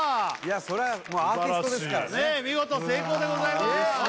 それはもうアーティストですからね見事成功でございます嬉しい